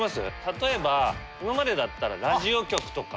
例えば今までだったらラジオ局とか。